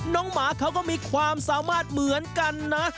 หมาเขาก็มีความสามารถเหมือนกันนะ